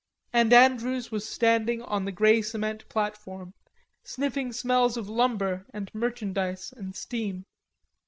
And Andrews was standing on the grey cement platform, sniffing smells of lumber and merchandise and steam.